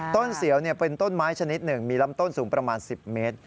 เสียวเป็นต้นไม้ชนิดหนึ่งมีลำต้นสูงประมาณ๑๐เมตร